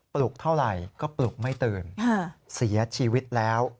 ลุกเท่าไหร่ก็ปลุกไม่ตื่นเสียชีวิตแล้ว